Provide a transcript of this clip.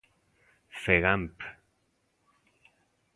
Fegamp.